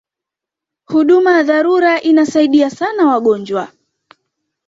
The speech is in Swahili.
huduma ya dharura inasaidian sana wagonjwa